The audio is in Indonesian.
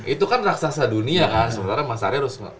itu kan raksasa dunia kan sementara mas ari harus